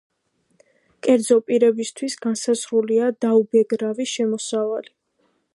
კერძო პირებისთვის განსაზღვრულია დაუბეგრავი შემოსავალი.